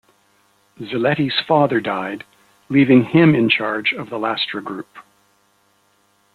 Ziletti's father died, leaving him in charge of the Lastra Group.